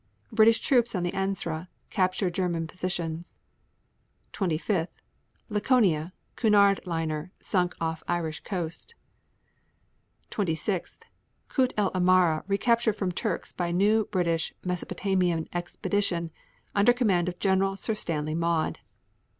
British troops on the Ancre capture German positions. 25. Laconia, Cunard liner, sunk off Irish coast. 26. Kut el Amara recaptured from Turks by new British Mesopotamian expedition under command of Gen. Sir Stanley Maude.